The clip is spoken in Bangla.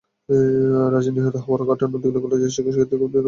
রাজিন নিহত হওয়ার ঘটনায় কলেজের শিক্ষক শিক্ষার্থীরা খুবই উদ্বিগ্ন ও মর্মাহত।